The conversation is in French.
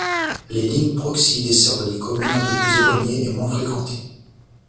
Les lignes Proxi desservent les communes un peu plus éloignées et moins fréquentées.